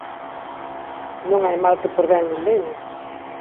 Non hai mal que por ven non veña.